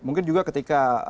mungkin juga ketika